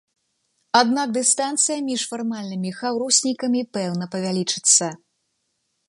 Аднак дыстанцыя між фармальнымі хаўруснікамі пэўна павялічыцца.